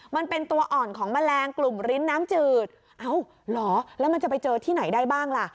มันเป็นตัวอ่อนของแมลงกลุ่มลิ้นน้ำจืดเอ้าเหรอแล้วมันจะไปเจอที่ไหนได้บ้างล่ะ